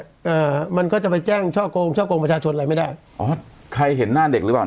อ่ามันก็จะไปแจ้งช่อกงช่อกงประชาชนอะไรไม่ได้อ๋อใครเห็นหน้าเด็กหรือเปล่า